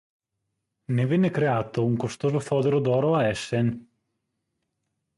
Ne venne creato un costoso fodero d'oro a Essen.